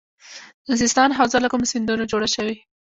د سیستان حوزه له کومو سیندونو جوړه شوې؟